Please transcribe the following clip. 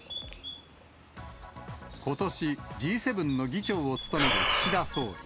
ことし、Ｇ７の議長を務める岸田総理。